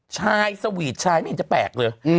ชายสวีตชายกานจะแปลก